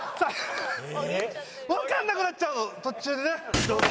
わかんなくなっちゃうの途中でね。